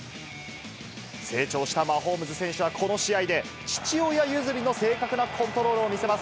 成長したマホームズ選手はこの試合で、父親譲りの正確なコントロールを見せます。